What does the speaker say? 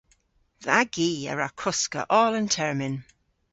Dha gi a wra koska oll an termyn.